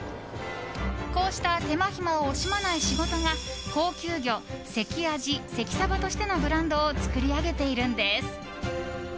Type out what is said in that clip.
こうした手間暇を惜しまない仕事が高級魚関あじ、関さばとしてのブランドを作り上げているんです。